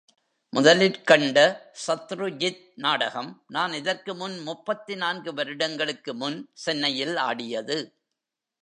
முதலிற்கண்ட சத்ருஜித் நாடகம் நான் இதற்கு முன் முப்பத்து நான்கு வருடங்களுக்கு முன் சென்னையில் ஆடியது.